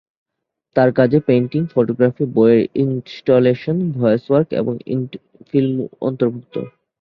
তার কাজে painting, photography, বইয়ের ইনস্টলেশন, ভয়েস ওয়ার্ক এবং ফিল্ম অন্তর্ভুক্ত।